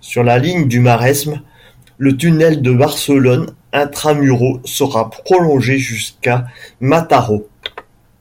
Sur la ligne du Maresme, le tunnel de Barcelone intra-muros sera prolongé jusqu'à Mataró.